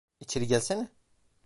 İçeri gelsene.